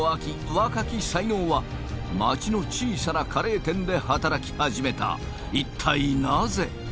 若き才能は町の小さなカレー店で働き始めたいったいなぜ？